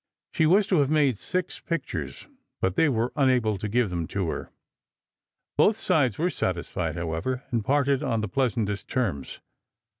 She was to have made six pictures, but they were unable to give them to her. Both sides were satisfied, however, and parted on the pleasantest terms.